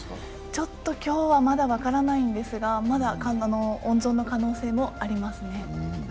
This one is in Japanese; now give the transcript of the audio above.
ちょっと今日はまだ分からないんですが、まだ、温存の可能性もありますね。